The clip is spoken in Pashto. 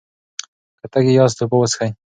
که تږي یاست، اوبه وڅښئ.